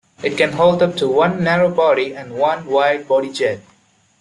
It can hold up to one narrow body and one wide body jet.